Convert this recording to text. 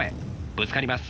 ぶつかります。